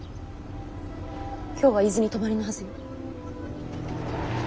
今日は伊豆に泊まりのはずよ。